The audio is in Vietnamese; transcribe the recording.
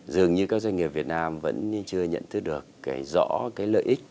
dường như các doanh nghiệp việt nam vẫn chưa nhận thức được cái rõ cái lợi ích